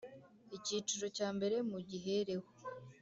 Icyiciro cya mbere mugihereho.